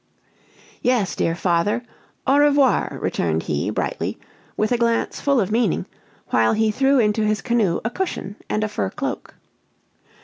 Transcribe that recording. "Yes, dear father Au revoir!" returned he, brightly, with a glance full of meaning, while he threw into his canoe a cushion and a fur cloak.